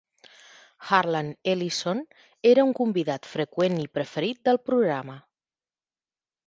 Harlan Ellison era un convidat freqüent i preferit del programa.